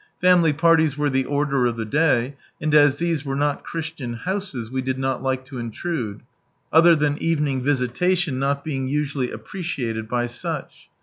Family parties were the order of the day, and as these were not Christian houses, we did not like to intrude ; (other than evening visitation not being usually appreciated by such.)